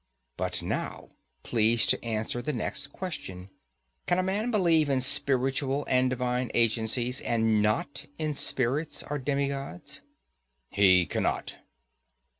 But now please to answer the next question: Can a man believe in spiritual and divine agencies, and not in spirits or demigods? He cannot.